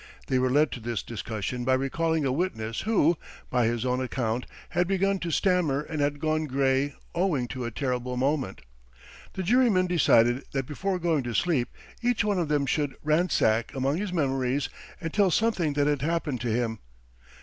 They were led to this discussion by recalling a witness who, by his own account, had begun to stammer and had gone grey owing to a terrible moment. The jurymen decided that before going to sleep, each one of them should ransack among his memories and tell something that had happened to him.